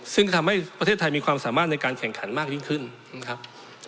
ซึ่งทำให้ประเทศไทยมีความสามารถในการแข่งขันมากยิ่งขึ้นนะครับ